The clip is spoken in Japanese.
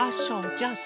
じゃあさ